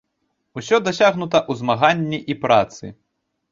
Усё дасягнута ў змаганні і працы.